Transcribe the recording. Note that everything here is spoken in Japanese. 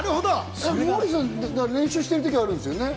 モーリーさん、練習してる時があるんですよね？